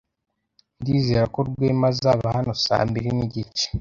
Ndizera ko Rwema azaba hano saa mbiri nigice.